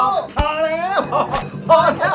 พอแล้ว